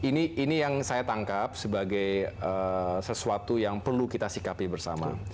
nah ini yang saya tangkap sebagai sesuatu yang perlu kita sikapi bersama